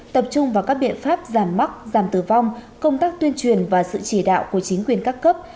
tập trung vào các biện pháp giảm mắc giảm tử vong công tác tuyên truyền và sự chỉ đạo của chính quyền các cấp